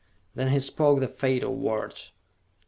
Then he spoke the fatal words.